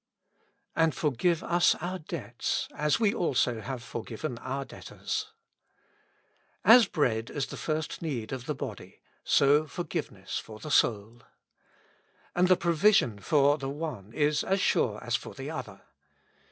" Ajid forgive us our debts, as we also have forgiven our debtors^ As bread is the first need of the body, so forgiveness for the soul. And the provision for the one is as sure as for the other.